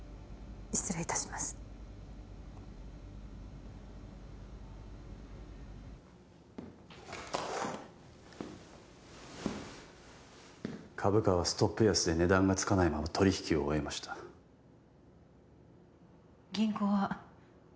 失礼いたします株価はストップ安で値段がつかないまま取引を終えました銀行は？